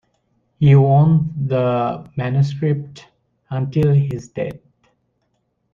He owned the manuscript until his death.